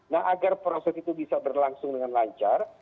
nah agar proses itu bisa berlangsung dengan lancar